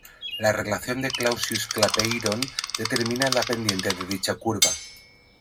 La relación de Clausius-Clapeyron determina la pendiente de dicha curva.